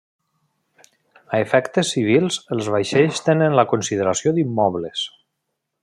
A efectes civils els vaixells tenen la consideració d'immobles.